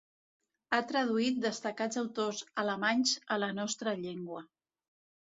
Ha traduït destacats autors alemanys a la nostra llengua.